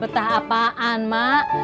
betah apaan mak